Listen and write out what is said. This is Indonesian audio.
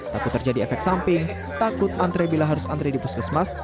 takut terjadi efek samping takut antre bila harus antri di puskesmas